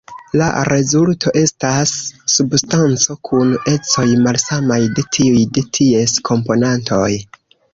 La rezulto estas substanco kun ecoj malsamaj de tiuj de ties komponantoj.